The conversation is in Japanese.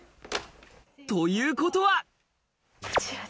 ということは。